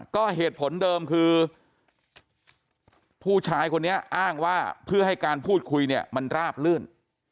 ก็เหตุผลเดิมคือผู้ชายคนนี้อ้างว่าเพื่อให้การพูดคุยเนี่ยมันราบลื่น